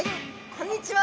こんにちは。